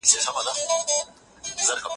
غير ټولنيز علتونه رد سول.